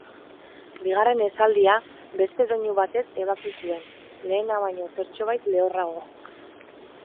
Bigarren esaldia beste doinu batez ebaki zuen, lehena baino zertxobait lehorrago.